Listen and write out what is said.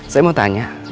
saya mau tanya